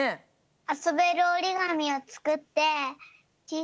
あそべるおりがみをつくってちい